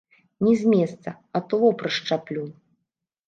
Ні з месца, а то лоб расшчаплю!